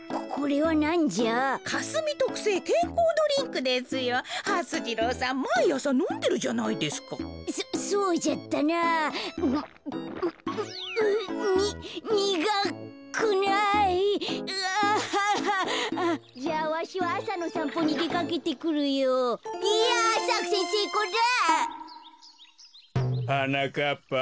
はなかっぱ。